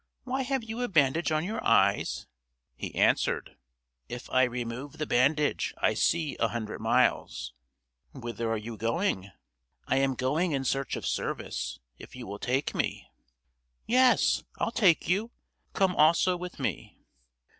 "Why have you a bandage on your eyes?" He answered, "If I remove the bandage, I see a hundred miles." "Whither are you going?" "I am going in search of service, if you will take me." "Yes, I'll take you. Come also with me."